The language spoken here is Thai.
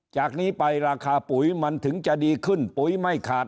จากนี้ไปราคาปุ๋ยมันถึงจะดีขึ้นปุ๋ยไม่ขาด